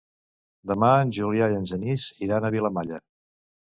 Demà en Julià i en Genís iran a Vilamalla.